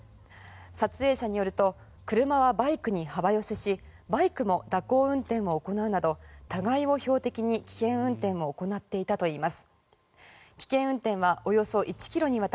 撮影者によると車はバイクに幅寄せしバイクも蛇行運転を行うなど互いを標的にオリンピック今日の注目競技です。